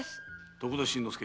徳田新之助。